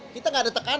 kita gak ada tekanan